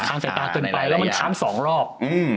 ข้างใส่ตาเกินไปแล้วข้างมีสองรอบ